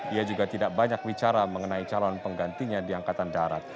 ia juga tidak banyak bicara mengenai calon penggantinya di angkatan darat